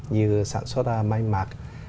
như sản xuất may mạc